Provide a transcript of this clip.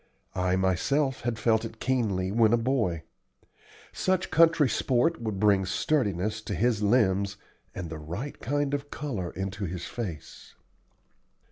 I myself had felt it keenly when a boy. Such country sport would bring sturdiness to his limbs and the right kind of color into his face.